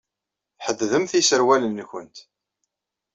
Tḥeddedemt iserwalen-nwent.